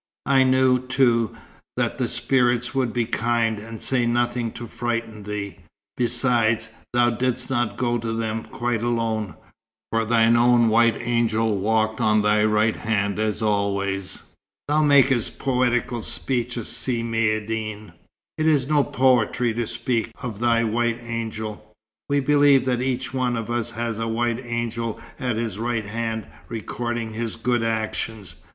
I knew, too, that the spirits would be kind, and say nothing to frighten thee. Besides, thou didst not go to them quite alone, for thine own white angel walked on thy right hand, as always." "Thou makest poetical speeches, Si Maïeddine." "It is no poetry to speak of thy white angel. We believe that each one of us has a white angel at his right hand, recording his good actions.